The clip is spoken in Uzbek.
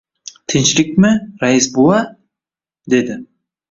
— Tinchlikmi, rais bova? — dedi.